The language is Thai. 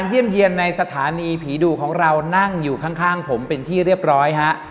เยี่ยมเยี่ยมในสถานีผีดุของเรานั่งอยู่ข้างผมเป็นที่เรียบร้อยฮะ